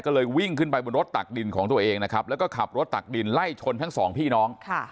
ก็เลยวิ่งขึ้นไปบนรถตักดินของตัวเองนะครับแล้วก็ขับรถตักดินไล่ชนทั้งสองพี่น้อง